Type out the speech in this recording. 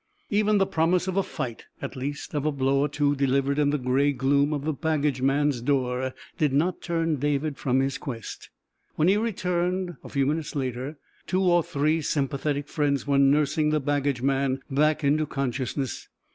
Even the promise of a fight at least of a blow or two delivered in the gray gloom of the baggage man's door did not turn David from his quest. When he returned, a few minutes later, two or three sympathetic friends were nursing the baggage man back into consciousness.